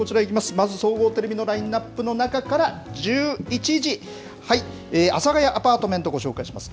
まず、総合テレビのラインナップの中から１１時、阿佐ヶ谷アパートメント、ご紹介します。